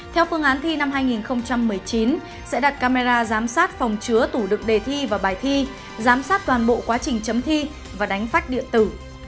theo phương án thi năm hai nghìn một mươi chín sẽ đặt camera giám sát phòng chứa tủ đực đề thi và bài thi giám sát toàn bộ quá trình chấm thi và đánh phách điện tử